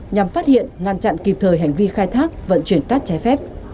nhằm phát hiện ngăn chặn kịp thời hành vi khai thác vận chuyển cát trái phép